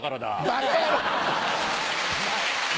バカ野郎！